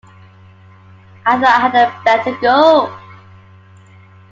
I thought I had better go.